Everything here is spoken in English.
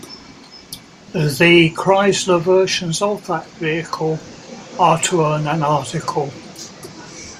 The Chrysler versions of that vehicle are to earn an article.